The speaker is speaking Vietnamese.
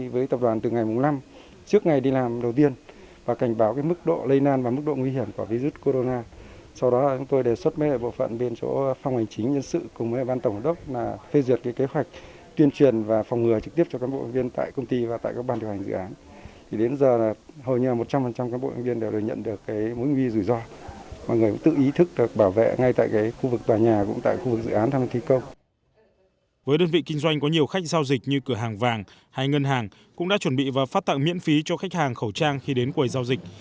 với đơn vị kinh doanh có nhiều khách giao dịch như cửa hàng vàng hay ngân hàng cũng đã chuẩn bị và phát tặng miễn phí cho khách hàng khẩu trang khi đến quầy giao dịch